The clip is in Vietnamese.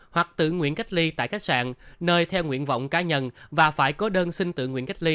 hoặc tự nguyện cách ly tại khách sạn nơi theo nguyện vọng cá nhân và phải có đơn xin tự nguyện cách ly